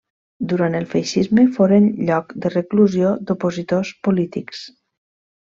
Durant el feixisme, foren lloc de reclusió d'opositors polítics.